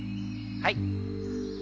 はい。